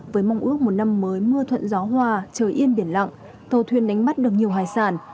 với mong ước một năm mới mưa thuận gió hòa trời yên biển lặng tàu thuyền đánh bắt được nhiều hải sản